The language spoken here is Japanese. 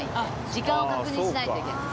時間を確認しないといけない。